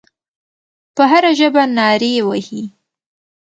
په هره ژبه نارې وهي.